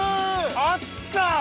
あった！